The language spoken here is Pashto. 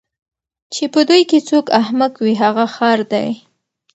چی په دوی کی څوک احمق وي هغه خر دی